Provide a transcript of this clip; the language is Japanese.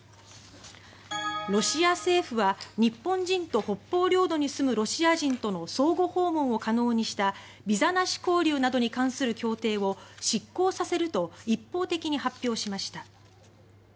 ロシア政府は日本人と北方領土に住むロシア人との相互訪問を可能にしたビザなし交流などに関する協定を失効させると一方的に発表しました。